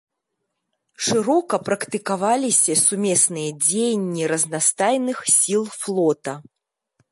Шырока практыкаваліся сумесныя дзеянні разнастайных сіл флота.